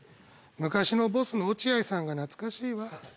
昔のボスの落合さんが懐かしいわ。